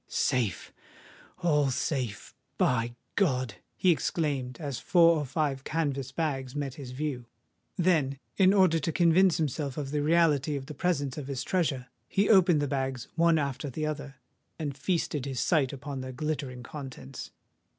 "Safe!—all safe—by God!" he exclaimed, as four or five canvass bags met his view. Then, in order to convince himself of the reality of the presence of his treasure, he opened the bags one after the other, and feasted his sight upon their glittering contents.